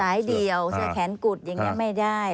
เดียวเสื้อแขนกุดอย่างนี้ไม่ได้